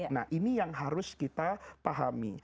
nah ini yang harus kita pahami